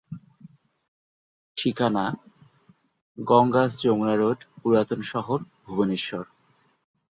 ঠিকানা: গঙ্গাস-যমুনা রোড, পুরাতন শহর, ভুবনেশ্বর।